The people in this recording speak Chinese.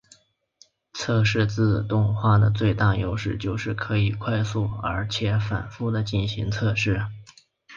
测试自动化的最大优势就是可以快速而且反覆的进行测试。